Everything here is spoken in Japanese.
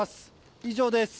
以上です。